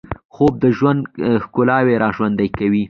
خوب د ژوند ښکلاوې راژوندۍ کوي